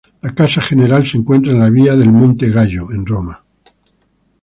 La casa general se encuentra en la vía del Monte Gallo en Roma.